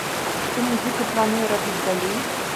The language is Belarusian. Што музыка плануе рабіць далей?